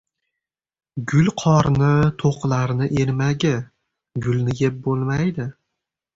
Gul qorni to‘qlarni ermagi. Gulni yeb bo‘lmaydi»...